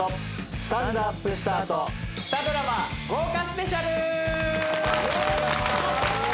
『スタンドＵＰスタート』二ドラマ豪華スペシャル。